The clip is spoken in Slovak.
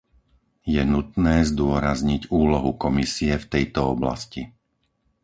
Je nutné zdôrazniť úlohu Komisie v tejto oblasti.